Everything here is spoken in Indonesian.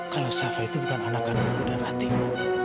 kalau safa itu bukan anakanku dan ratih